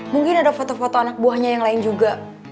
mungkin ada foto foto anak buahnya yang lain juga